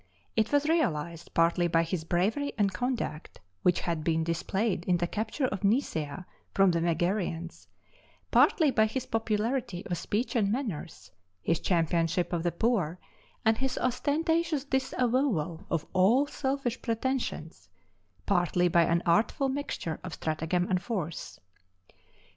It was realized, partly by his bravery and conduct, which had been displayed in the capture of Nisæa from the Megarians partly by his popularity of speech and manners, his championship of the poor, and his ostentatious disavowal of all selfish pretensions partly by an artful mixture of stratagem and force.